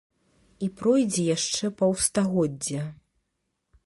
І пройдзе яшчэ паўстагоддзя.